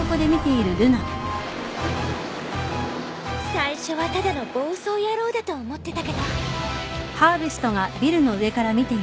最初はただの暴走野郎だと思ってたけど。